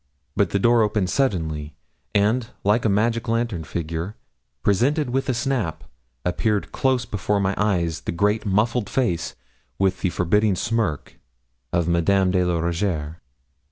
But the door opened suddenly, and, like a magic lantern figure, presented with a snap, appeared close before my eyes the great muffled face, with the forbidding smirk, of Madame de la Rougierre.